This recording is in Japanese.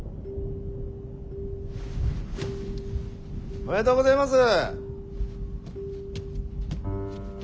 おめでとうごぜます。